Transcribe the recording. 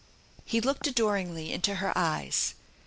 He looked adoringly into her eyes.